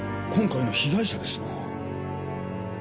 今回の被害者ですなぁ。